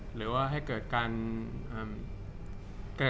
จากความไม่เข้าจันทร์ของผู้ใหญ่ของพ่อกับแม่